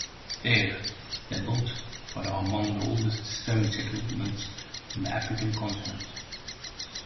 There, they built what are among the oldest stone settlements on the African continent.